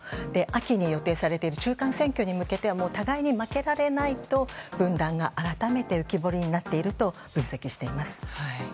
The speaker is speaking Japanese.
秋に予定されている中間選挙に向けて互いに負けられないと分断が改めて浮き彫りになっていると分析しています。